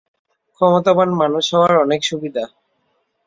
ক্ষমতাবান মানুষ হবার অনেক সুবিধা।